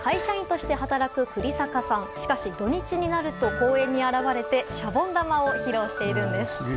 しかし、土日になると公園に現れシャボン玉を披露しているんです。